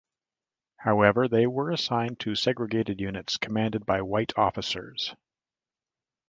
However, they were assigned to segregated units commanded by white officers.